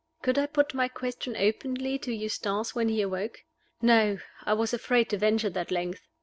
Could I put my question openly to Eustace when he awoke? No; I was afraid to venture that length.